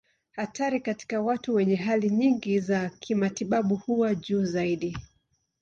Hatari katika watu wenye hali nyingi za kimatibabu huwa juu zaidi.